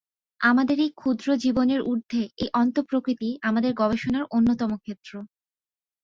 আমাদের এই ক্ষুদ্র জীবনের ঊর্ধ্বে এই অন্তঃপ্রকৃতি আমাদের গবেষণার অন্যতম ক্ষেত্র।